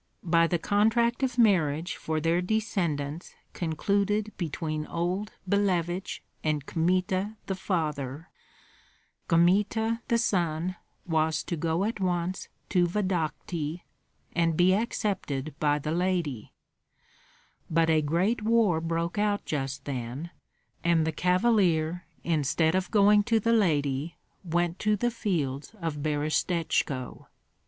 By the contract of marriage for their descendants concluded between old Billevich and Kmita the father, Kmita the son was to go at once to Vodokty and be accepted by the lady; but a great war broke out just then, and the cavalier, instead of going to the lady, went to the fields of Berestechko.